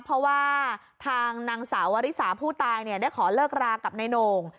เพราะว่าทางนางสาววริสาผู้ตายได้ขอเลิกรากับนายโหน่ง